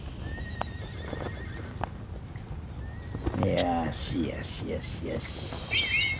よしよしよしよし。